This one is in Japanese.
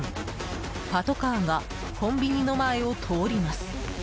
パトカーがコンビニの前を通ります。